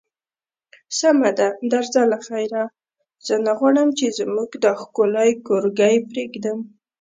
سمه ده، درځه له خیره، زه نه غواړم چې زموږ دا ښکلی کورګی پرېږدم.